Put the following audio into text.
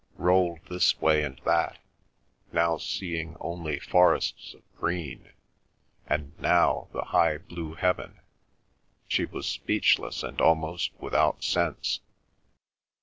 Rolled this way and that, now seeing only forests of green, and now the high blue heaven; she was speechless and almost without sense.